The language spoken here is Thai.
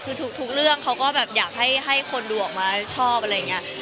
คือทุกเรื่องเขาก็แบบอยากให้คนดูออกมาชอบอะไรอย่างนี้